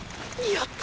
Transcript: やった！